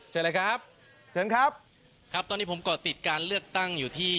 เชิญเลยครับเชิญครับครับตอนนี้ผมก่อติดการเลือกตั้งอยู่ที่